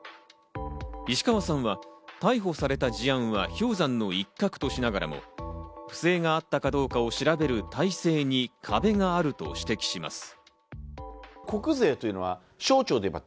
石川さんは逮捕された事案は氷山の一角としながらも、不正があったかどうかを調べる体制に壁があると指摘します。